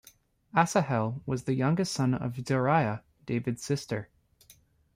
Asahel was the youngest son of Zeruiah, David's sister.